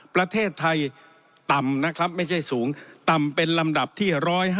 ประเทศไทยต่ำนะครับไม่ใช่สูงต่ำเป็นลำดับที่๑๕